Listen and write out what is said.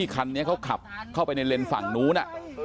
คันนี้เขาขับเข้าไปในเลนส์ฝั่งนู้น